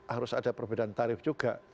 harus ada perbedaan tarif juga